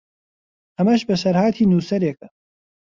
ئەمەش بەسەرهاتی نووسەرێکە